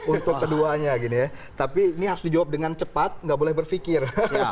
untuk keduanya tapi ini harus dijawab dengan cepat tidak boleh berpikir